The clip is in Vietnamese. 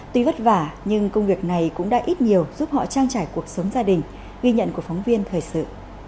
tuy vất vả nhưng công việc này cũng đã ít nhiều giúp họ trang trải cuộc sống gia đình ghi nhận của phóng viên thời sự